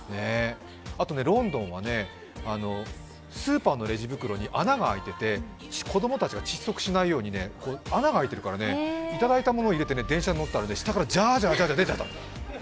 あとね、ロンドンはスーパーのレジ袋に穴が開いてて子供たちが窒息しないように穴が開いてるからいただいたものを入れて電車に乗ったら下からジャージャー出てきた。